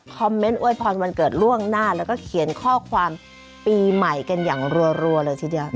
เมนต์อวยพรวันเกิดล่วงหน้าแล้วก็เขียนข้อความปีใหม่กันอย่างรัวเลยทีเดียว